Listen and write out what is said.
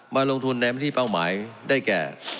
มาลงทุนในพื้นที่เป้าหมายได้แก่